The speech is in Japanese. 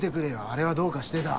あれはどうかしてた。